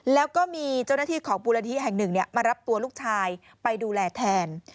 แล้วก็มีเจ้าหน้าที่ของมูลนิธิแห่งหนึ่งมารับตัวลูกชายไปดูแลแทน